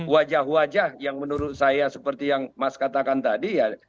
wajah wajah yang menurut saya seperti yang mas katakan tadi ya